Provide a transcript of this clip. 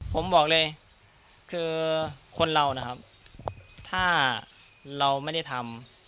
ผมบอกเลยคือคนเรานะครับถ้าเราไม่ได้ทำ